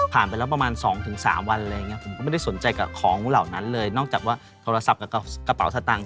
ไปแล้วประมาณ๒๓วันอะไรอย่างนี้ผมก็ไม่ได้สนใจกับของเหล่านั้นเลยนอกจากว่าโทรศัพท์กับกระเป๋าสตางค